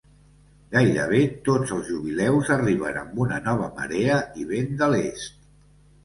Gairebé tots els jubileus arriben amb una nova marea i vent de l'est.